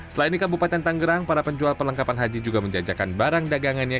selain di kabupaten tanggerang para penjual perlengkapan haji juga menjajakan barang dagangannya